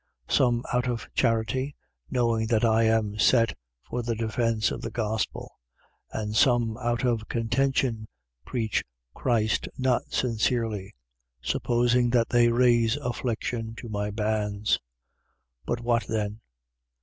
1:16. Some out of charity, knowing that I am set for the defence of the gospel. 1:17. And some out of contention preach Christ not sincerely: supposing that they raise affliction to my bands. 1:18. But what then?